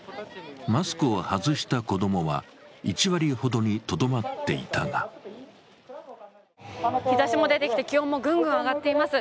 マスクを外した子供は１割ほどにとどまっていたが日ざしも出てきて気温もぐんぐん上がっています。